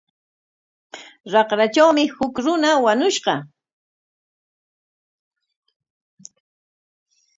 Raqratrawmi huk runa wañushqa.